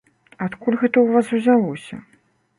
Адкуль гэта ў вас узялося?